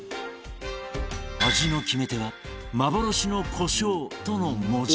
「味の決め手は幻のコショウ」との文字